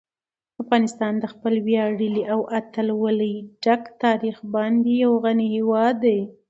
افغانستان په خپل ویاړلي او له اتلولۍ ډک تاریخ باندې یو غني هېواد دی.